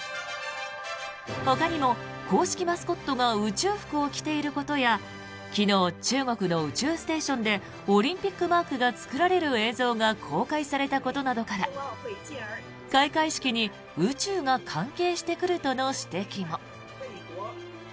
ほかにも公式マスコットが宇宙服を着ていることや昨日、中国の宇宙ステーションでオリンピックマークが作られる映像が公開されたことなどから開会式に宇宙が関係してくるとの指摘も。